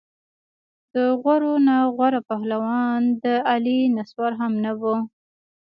د غورو نه غوره پهلوان د علي نسوار هم نه وو.